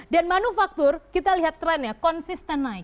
dan manufaktur kita lihat trennya konsisten naik